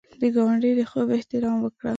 د ګاونډي د خوب احترام وکړه